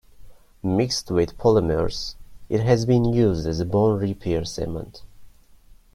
Mixed with polymers, it has been used as a bone repair cement.